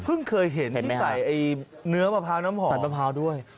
เพิ่งเคยเห็นที่ใส่เนื้อมะพร้าวน้ำหอมเห็นไหมฮะใส่มะพร้าวด้วย